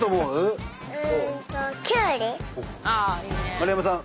丸山さん